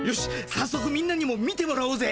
さっそくみんなにも見てもらおうぜ。